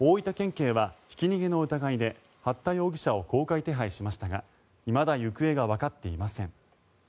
警はひき逃げの疑いで八田容疑者を公開手配しましたがいまだ行方がわかっていません。